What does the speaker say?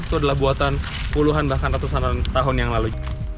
itu adalah buatan puluhan bahkan ratusan tahun yang lalu